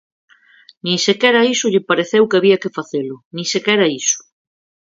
Nin sequera iso lle pareceu que había que facelo, nin sequera iso.